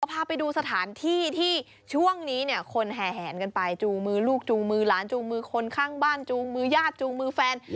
พาไปดูสถานที่ที่ช่วงนี้เนี่ยคนแห่แหนกันไปจูงมือลูกจูงมือหลานจูงมือคนข้างบ้านจูงมือญาติจูงมือแฟน